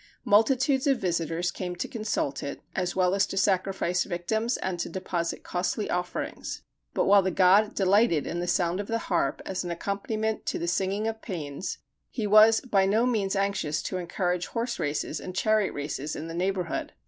Multitudes of visitors came to consult it, as well as to sacrifice victims and to deposit costly offerings; but while the god delighted in the sound of the harp as an accompaniment to the singing of pæans, he was by no means anxious to encourage horse races and chariot races in the neighborhood.